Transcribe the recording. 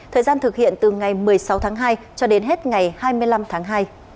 thời gian thực hiện từ ngày một mươi sáu tháng hai cho đến hết ngày hai mươi năm tháng hai